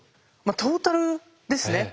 トータルですね。